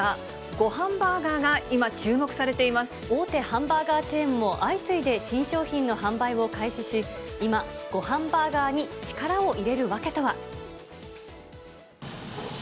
ごはんバーガーが今、注目されて大手ハンバーガーチェーンも相次いで新商品の販売を開始し、今、ごはんバーガーに力を入れる訳とは。